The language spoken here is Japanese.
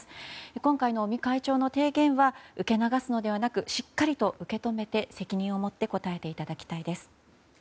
今回の尾身会長の提言は受け流すのではなくしっかりと受け止めて責任を持って答えていただきたいです。